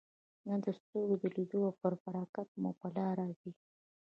نه د سترګو د لیدلو او پر برکت په لاره ځي.